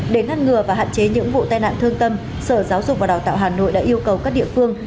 để ngăn ngừa và hạn chế những vụ tai nạn thương tâm sở giáo dục và đào tạo hà nội đã yêu cầu các địa phương